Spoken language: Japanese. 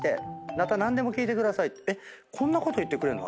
こんなこと言ってくれんの？